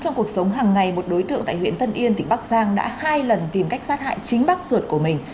trong cuộc sống hàng ngày một đối tượng tại huyện tân yên tỉnh bắc giang đã hai lần tìm cách sát hại chính bác ruột của mình